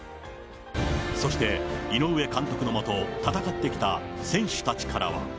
そして、井上監督の下、戦ってきた選手たちからは。